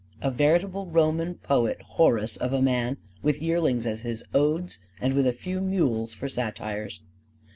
A veritable Roman poet Horace of a man, with yearlings as his odes and with a few mules for satires.